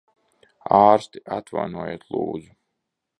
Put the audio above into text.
Ārsti! Atvainojiet, lūdzu.